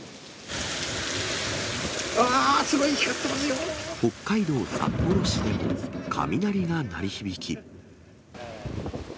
あー、すごい、北海道札幌市でも、雷が鳴り響き。